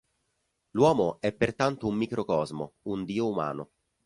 L'uomo è pertanto un microcosmo, un dio umano.